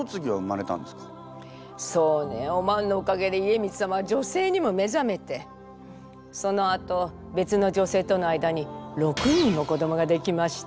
そうねお万のおかげで家光様は女性にも目覚めてそのあと別の女性との間に６人も子どもができました。